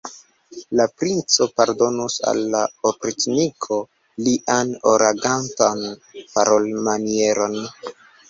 La princo pardonus al la opriĉniko lian arogantan parolmanieron.